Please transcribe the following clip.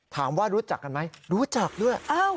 ถามว่ารู้จักกันไหมรู้จักด้วย